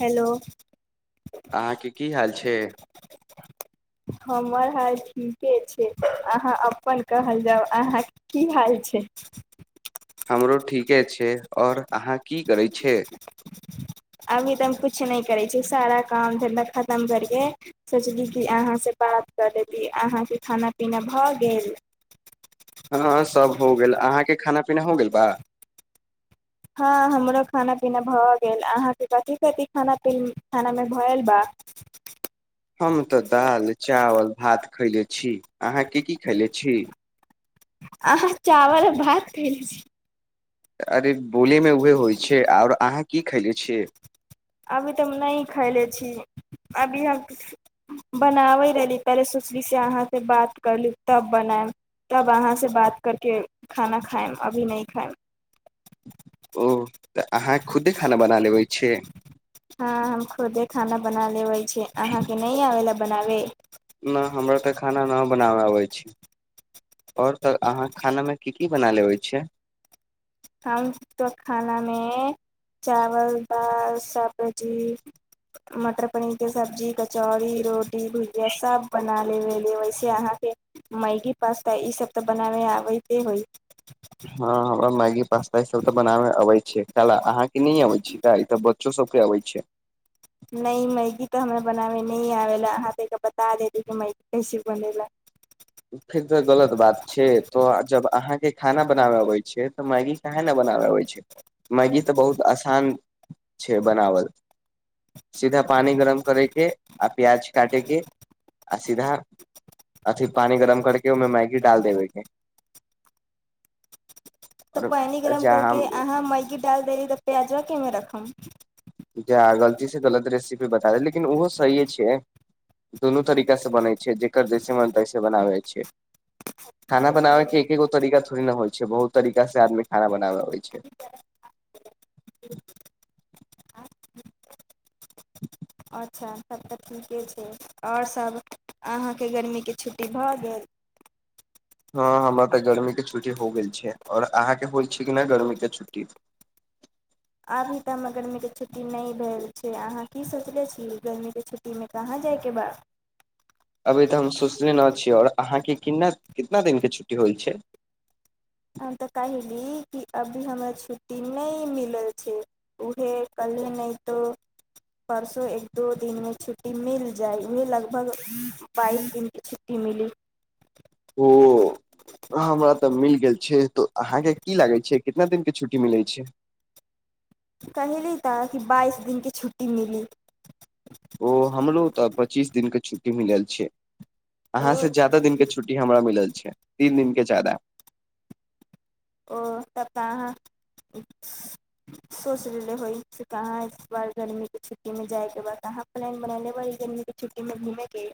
hello अहाँके की हाल छै [unintelligible] हमर हाल ठीके छै अहाँ अपन कहल जाउ अहाँ की हाल छै हमरो ठीके छै आओर अहाँ की करै छियै अभी तऽ हम कुछ नहि करै छी सारा काम धंधा खतम करिके सोचली की अहाँ से बात कऽ लितीयै अहाँके खाना पिना भऽ गेल हँ सब हो गेल [unintelligible] हो गेल बा हँ हमरो खाना पीना भऽ गेल अहाँके कथी कथी खाना पिना खानामे भएल बाऽ [inaudible] हम तऽ दाल चावल भात खैले छी अहाँ के की खैले छी आहा चावल भात खले छी अरे बोलेमे उहे होइ छै आओर अहाँ की खैले छियै अभी तब नहि खैले छी अभी हम बनाबै रहली पहिले सोशलीसँ अहाँसँ बात करली तब बनायब तब अहाँ से बात करके खाना खायम अभी न खायम ओ तऽ अहाँ खुदे खाना बना लेबे छियै हँ हम खुदे खाना बना लेबै छी अहाँके नहि आबै लए बनाबे नहि हमरा तऽ खाना उना नहि बनाबै अबै छै आओर त अहाँ खाना मे की की बना लेबै छियै हम तऽ खानामे चावल दाल सब्जी मटर पनीर के सब्जी कचौड़ी रो पुरी भुजिया सब बना लेबे वैसे अहाँके मैगी पास्ता ईसभ तऽ बनाबै आबैते होइ हँ मैगी पास्ता इ सब त बनावे अवे छै काला अहां के नै अबे छी का ई त बच्चो सब के अबै छै नहि मैगी तऽ हमरा बनाबे नहि आबेला अहाँ तऽ बता दैती कि मैगी कैसे बनेला फेर तऽ गलत बात छै तो जब अहाँ के खाना बनाबे अबे छै तऽ मैगी काहे न बनाबे आबै छै मैगी तऽ बहुत आसान छै बनावल सीधा पानि गरम करेके आ प्याज काटेके आ सीधा अथी पानि गरम करके ओहिमे मैगीडाल देबेके तऽ पानि और गरम जा करके हम अहाँ मैगी डाल देली तऽ प्याजवा केमे रखब जा गलती से गलत रेसिपी बता दे लेकिन ओहो सहिए छै दुनू तरीका से बनै छै जकर जैसे मन तैसे बनाबै छै खाना बनाबे के एकेगो तरीका थोड़े न होइ छै बहुत तरीका से आदमी खाना बनाब अबै छै [inaudible] [inaudible] अच्छा तब तऽ ठीके छै और सभ अहाँकेँ गर्मी केँ छुट्टी भऽ गेल हँ हमरा तऽ गर्मी केँ छुट्टी हो गेल छै औरअहाँकेँ होल छै कि न गर्मी केँ छुट्टी अभी तऽ हम गर्मी केँ छुट्टी नहि भेल छै अहाँ की सोचलने छी गर्मी केँ छुट्टी कहाँ जा जाय केँ बाऽ अभी तऽ हम सोचले न छीयै आओर अहाँकेँ किना कितना दिन केँ छुट्टी होल छै हम तऽ कहली कि अभी हमरा छुट्टी नहि मिलल छै उहे कल्हे नै तो परसो एक दो दिनमे छुटी मिल जाइ उे लगभग बाइस दिन की छुट्टी मिली ओहो [inaudible] हमरा तऽ मिल गेल तो अहाँकेँ की लागे छै कितना दिन के छुट्टी मिलैत छै कहली तऽ कि बाइस दिनके छुट्टी मिली ओ हमरो तऽ पच्चीस दिन केँ छुट्टी मिलल छै ओ अहाँ से ओ जायदा दिन केँ छुट्टी हमरा मिलल छै तीन दिन के जादा ओ हो तब तऽ अहाँ [unintelligible] सोचि होइ कहाँ इस बार गर्मीकेँ छुट्टीमे जाइके बाद कहाँ प्लान बना लेबै गरमीके छुट्टी मे घूमें कऽ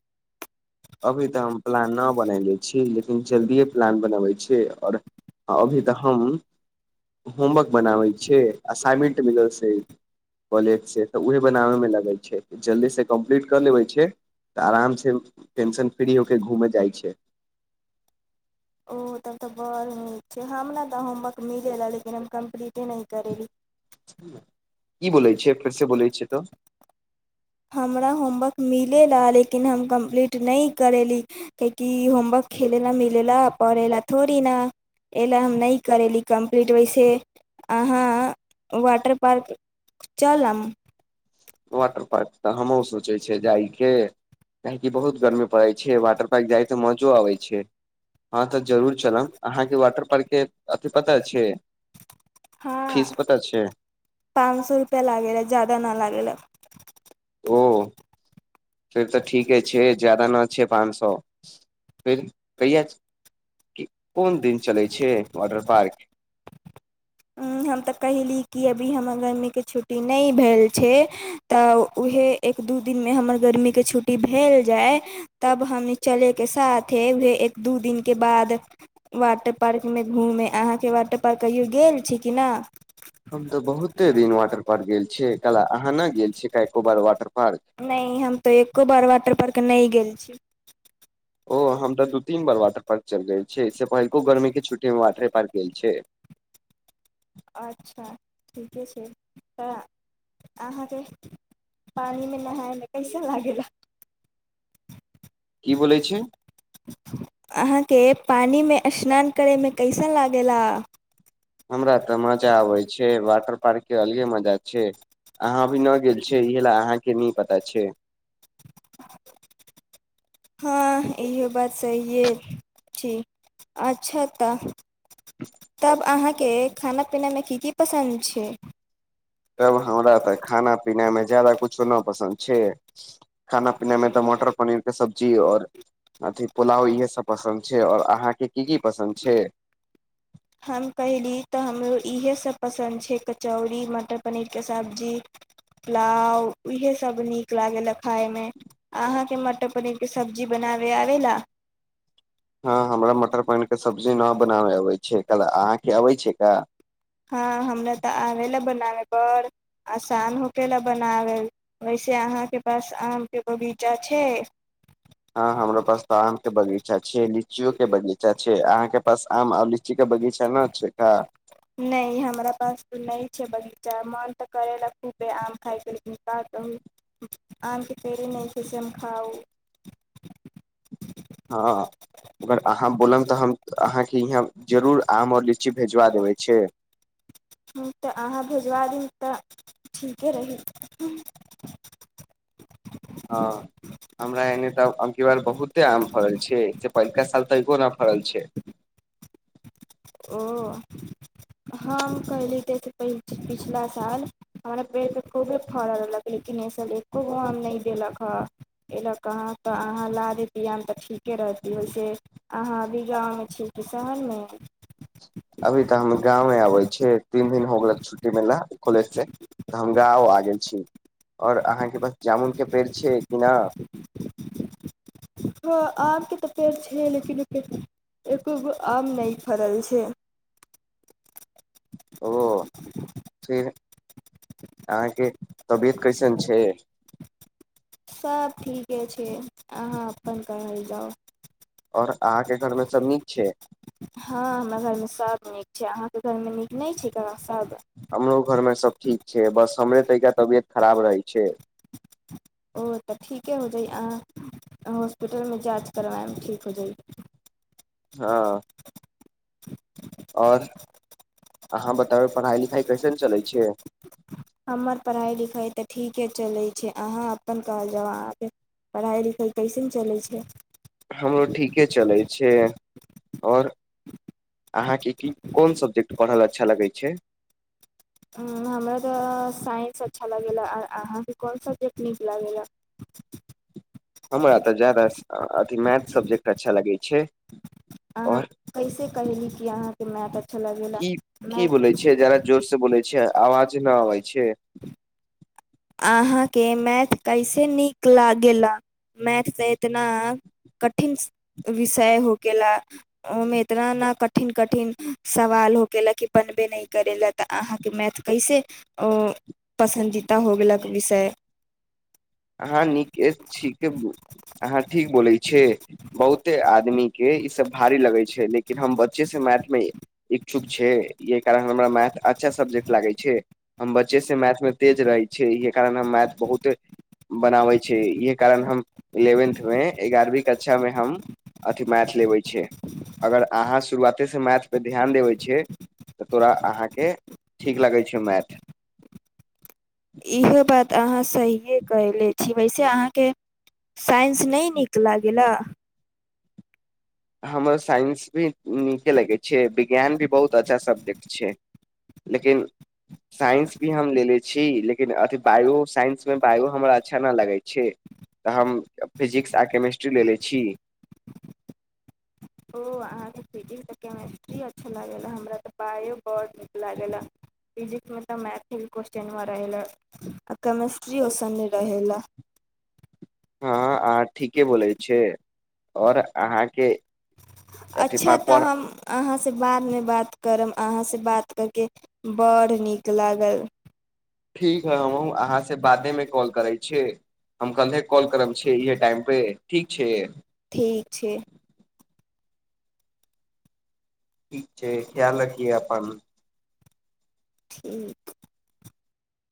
अभी तऽ हम प्लान नहि बनाय छी लेकिन जल्दिए प्लान बनबै छी आओर आ अभी तऽ हम होमवर्क बनाबै छियै असाइनमेंट मिलल सऽ कॉलेजसँ तऽ उहे बनाबैमे लगै छै जल्दीसँ कम्प्लीट कऽ लेबै छै तऽ आराम से टेंशन फ्री होके घूमे जाइ छै ओ तब तऽ बड़ नीक छै हम ने तऽ होमवर्क मिलयलए लेकिन हम कम्प्लीटे नहि करयली [inaudible] की बोलै छियै फेर से बोलै छियै तऽ हमरा होमवर्क मिलेला लेकिन हम कम्प्लीट नहि करैली कै की होमवर्क खेलेला मिलेला पढ़ै ला थोड़ी ना ऐला हम नहि करयली कम्प्लीट वैसे अहाँ वाटर पार्क चलम वाटर पार्क तऽ हम हुँ सोचै छिय जाय केँ काहेकि बहुत गर्मी पड़े छै वाटर पार्क जाय तऽ मजो अबे छै हँ तऽ जरूर चलब अहाँकेँ वाटर पार्क के अथि पता छै हँ फीस पता छै पाँच सौ रुपैआ लागैेलै जादा नै लागैलै [inaudible] फिर तऽ ठीके छै छै ज्यदा नै छै पाँच सौ [inaudible] फिर कहिया [inaudible] कोन दिन चलै छै वाॅटर पार्क हम तऽ कहयली कि अभी हमर गर्मीकेँ छुट्टी नहि भेल छै तऽ उएहे एक दू दिनमे हमर गर्मीकेँ छुट्टी भेल जाय तब हम चले के साथ उहे एक दू दिन केँ बाद वाटर पार्क मे घूमे अहाँकेँ वाटर पार्क कहियो गेल छी की नै हम तऽ बहुते दिन वाटर पार्क गेल छियै कला अहाँ नै गेल छियै का एक्कोबार वाटर पार्क नहि हम तऽ एक्को बार वाटर पार्क नहि गेल छी ओ हम तऽ दू तीन बार वाटर पार्क चलि जाय छीयै ए सँ पहिलो गर्मी केँ छुट्टी मे वाटर पार्क गेल छै अच्छा ठीके छै तऽ अहाँकेँ पानिमे नहायमे कैसे लागैला की बोले छै [unintelligible] अहाँके पानिमे स्नान करयमे कैसन लागैला हमरा तऽ मजा आबै छै वाटर पार्क के अलगे मजा छैय अहाँ अभी न गेल छियै इह लए अहाँके नऽ पता छै [unintelligible] हँ इहो बात सहिए छी अच्छा तऽ [unintelligible] तब अहाँके खाना पीनामे की की पसन्द छैय तब हमरा तऽ खाना पीनामे ज्यादा कुछो नहि पसन्द छै खाना पीना में तऽ मटर पनीर कऽ सब्जी और अथी पुलाव इहे सब पसन्द छै और अहाँ के की की पसन्द छै हम कहयली तऽ हमरो इएहसभ पसन्द छै कचौड़ी मटर पनीरके सब्जी पलाव इहे सब नीक लागेेय खाय मे अहाँके मटर पनीरके सब्जी बनाबय आबै लए हँ हमरा मटर पनीर के सब्जी न बनाबे अबै छै क अहाँके अबै छै का हँ हमरा तऽ आबै लए बनाबै बड़ आसान होके लए बनाबै वैसे अहाँके पास आमके बगीचा छैय ह हमरा पास तऽ आम के बगीचा छै लीचियो के बगीचा छै अहा के पास आम औ लीचि लिचीक बगीचा न छै का नहि हमरा पास त नहि छै बगीचा मन तऽ करे ला खूबे आम खायके का कहू आमके पेरे नहि छै से हम खाउ हँ अगर अहाँ बोलब तऽ हम अहाँके यहाँ सऽ जरूर आम और लीची भेजवा देबे छै हँ तऽ अहाँ भेजवा दब तऽ ठीके रहित हँ [unintelligible] हँ हमरा एने तऽ अबकी बार बहुते आम फड़ल छै से पहिलका साल एको नऽ फड़ल छै ओ हम कहली तैसे पिछला साल [unintelligible] हमरा पेड़ पे खूबे फड़ल रहल लेकिन इसब एको गो आम नहि देलख हँ एहि लोकेऽत अहाँके अहाँ ला देते आमे तऽ ठीके रहत ओहिसे आहाँ अभी गाँवमे छीय कि शहर मऽ अभी तऽ हम गाँव आबै छिय तीन दिन हो गेल छुट्टी मिलला कॉलेज से तऽ हम गाँव आ गेल छी और आहाँके पास जामुन कऽ पेड़ छियै कि नऽ हँ आमके तऽ फेर छै लेकिन एतेक खूब आम नहि फरल छै ओ फिर अहाँके तबियत कैसन छै सब ठीके छै अहाँ अपन कहल जाउ और अहाँ के घर में सब नीक छै हँ हमरा घरमे सभ नीक छै अहाँके घरमे नीक नहि छै की सभ हमरो घरमे सब ठीक छै बस हमरे टा तबियत खराब रहै छै ओ तऽ ठीके हो जाइ अहाँ हॉस्पिटलमे जाँच करबएब ठीक हो जाइ हँ आओर आहाँ बताब पढ़ाई लिखाई कैसन चलै छैय हमर पढ़ाइ लिखाइ तऽ ठीके चलै छै अहाँ अपन कहल जाउ आहाँके पढ़ाइ लिखाइ कइसन चलै छै हमरो ठीके चलै छै और अहाँके क कोन सब्जेक्ट पढ़हल अच्छा लगै छै हमरा तऽ साइंस अच्छा लागैला अहाँके कोन सब्जेक्ट नीक लागैए [inaudible] हमरा तऽ ज्यादा अथी मैथ सब्जेक्ट अच्छा लगैय छै अहाँ और कैसे कहयली कि अहाँके मैथ अच्छा लगेला मैथ सुनय छै आवाज नहि आबे छै अहाँके मैथ कैसे नीक लागला मैथ ते इतना कठिन विषय होके ला ओमे इतना ने कठिन कठिन सवाल हो के ला कि बनबे नहि करे ला तऽ अहाँ मैथ कैसे पसन्दीदा हो गेलक विषय अहाँ नीक छीके अहाँ ठीक बोलै छेए बहुते आदमी के ई सब भारी लगै छै लेकिन हम बच्चे से मैथ इच्छुक छै यहि कारण हमरा मैथ अच्छा सब्जेक्ट लागै छै हम बच्चे से मैथ मे तेज रहै छै इे कारण हम मैथ बहुते बनाबै छै इहे कारण हम इलेवेन्थ मे एगारहवीं कक्षा मे हम अथी मैथ लेबै छै अगर अहाँ शुरुआते सँ मैथपर ध्यान देबै छियै तऽ तोरा अहाँके ठीक लागे छै मैथ इहे बात आहाँ सहिए कले छी वैसे आहाँके साइंस नहि नीक लागैला हमर साइंस भी नीके लगै छै विज्ञान भी बहुत अच्छा सब्जेक्ट छै लेकिन साइंस भी हम ले छी लेकिन अथी बायो साइंस मे बायो हमरा अच्छा नहि लगै छै तऽ हम फिजिक्स आर केमिस्ट्री लेे छीये ओ आहाँके फिजिक्स तऽ केमेस्ट्री अच्छा लागैए हमरा तऽ पाइो बड नीक लागैला फिजिक्स मे तऽ मैथ कस्चनमा रहै ला आ केमिस्ट्री ओसन नहि रहै ला हँ अहाँ ठीके बोलै छी आओर अहाँके अथि अच्छा तऽ पर हम अहाँ सँ बादमे बात करब आहाँ सँ बात करके बड़ नीक लागल ठीक है हमहु अहाँ से बादेमे कॉल करै छीये हम कल्हे कॉल करब छै इहे टाइम पे ठीक छै ठीक छै ठीक छै ख्याल रखि अपन ठीक